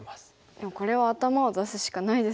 でもこれは頭を出すしかないですよね。